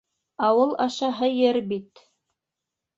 Ауыл ашаһы ер бит.